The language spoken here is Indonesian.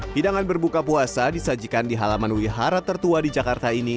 hidangan berbuka puasa disajikan di halaman wihara tertua di jakarta ini